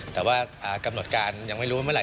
แต่ว่ากำหนดการยังไม่รู้ว่าเมื่อไ